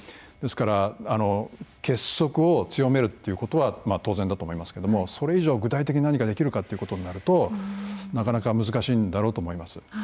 ですから結束を強めるということは当然だと思いますがそれ以上、具体的に何かできるかということになるとなかなか難しいんだろうと思います。